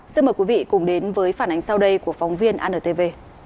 xin mời quý vị cùng đến với phản ánh sau đây của phóng viên antv